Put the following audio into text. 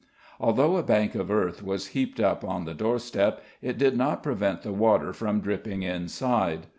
Although a bank of earth was heaped up on the doorstep, it did not prevent the water from dripping inside.